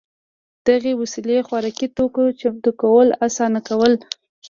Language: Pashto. دغې وسیلې خوراکي توکو چمتو کول اسانه کول